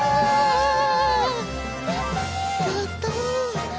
やったね！